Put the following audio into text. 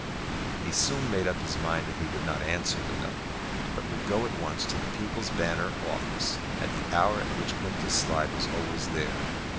He soon made up his mind that he would not answer the note, but would go at once to the People's Banner office at the hour at which Quintus Slide was always there.